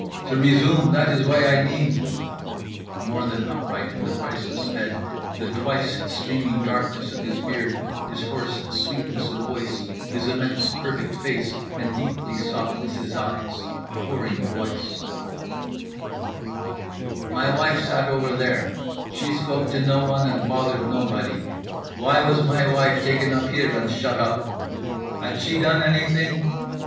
To resume, that is why I need…." (more than upright in the priceless bed—the twice streaming darkness of his beard, his hoarse sweetness of voice—his immense perfect face and deeply softnesses eyes—pouring voice) "my wife sat over there, she spoke to No one and bothered Nobody—why was my wife taken here and shut up? Had she done anything?